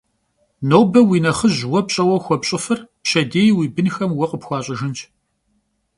Nobe vui nexhıj vue pş'eue xuepş'ıfır pşedêy vui bınxem vue khıpxuaş'ıjjınş.